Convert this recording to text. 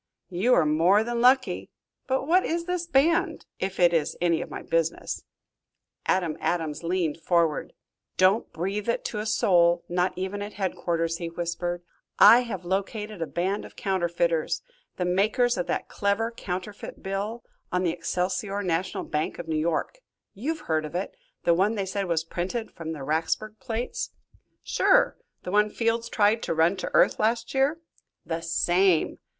"You were more than lucky. But what is this band if it is any of my business?" Adam Adams leaned forward. "Don't breathe it to a soul, not even at headquarters," he whispered. "I have located a band of counterfeiters the makers of that clever counterfeit bill on the Excelsior National Bank of New York. You've heard of it the one they said was printed from the Racksburg plates." "Sure, the one Fields tried to run to earth last year." "The same."